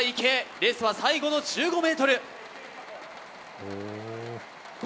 レースは最後の１５ｍ。